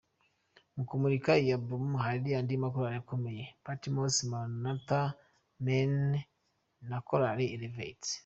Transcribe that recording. Mu kumurika iyi album hari andi makorali akomeye Patmos, Maranatha Men na Korali Elevate.